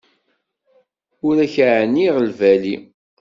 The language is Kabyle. Ur ak-ɛniɣ lbali.